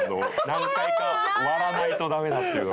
何回か割らないとダメだっていうのがこう。